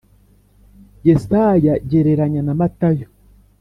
Yesaya gereranya na Matayo